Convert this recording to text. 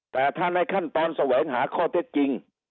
แต่ถ้าในขั้นตอนแสวงหาข้อเท็จจริง